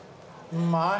うまい。